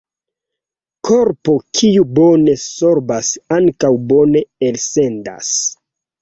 Korpo kiu bone sorbas ankaŭ bone elsendas.